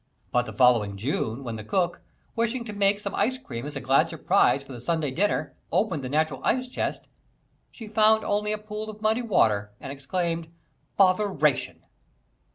But the following June, when the cook, wishing to make some ice cream as a glad surprise for the Sunday dinner, opened the natural ice chest, she found only a pool of muddy water, and exclaimed, "Botheration!"